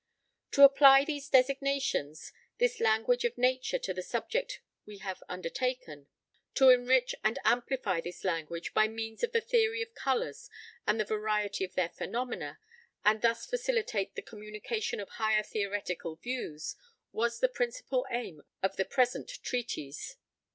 To apply these designations, this language of Nature to the subject we have undertaken: to enrich and amplify this language by means of the theory of colours and the variety of their phenomena, and thus facilitate the communication of higher theoretical views, was the principal aim of the present treatise.